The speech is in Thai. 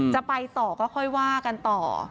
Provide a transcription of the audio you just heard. จะไปต่อก็ค่อยว่ากันต่อ